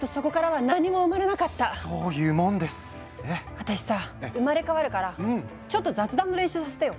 私さ生まれ変わるからちょっと雑談の練習させてよ。